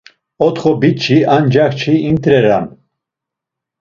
Otxo biç̌i ancaǩçi int̆reran.